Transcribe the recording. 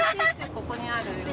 ここにあるよ